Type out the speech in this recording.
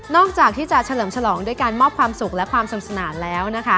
จากที่จะเฉลิมฉลองด้วยการมอบความสุขและความสนุกสนานแล้วนะคะ